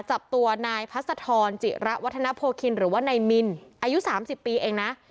จับตัวนายพัศธรจิระวัฒนโพคินหรือว่านายมินอายุ๓๐ปีเองนะ